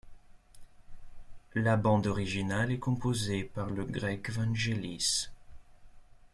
La bande originale est composé par le Grec Vangelis.